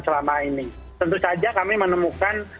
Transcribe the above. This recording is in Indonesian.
selama ini tentu saja kami menemukan